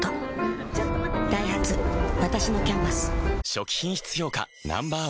初期品質評価Ｎｏ．１